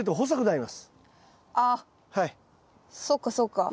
あっそっかそっか。